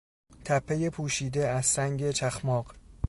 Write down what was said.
تپهی پوشیده از سنگ چخماق